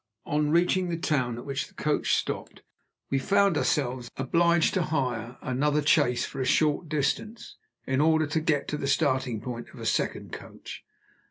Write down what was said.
On reaching the town at which the coach stopped, we found ourselves obliged to hire another chaise for a short distance, in order to get to the starting point of a second coach.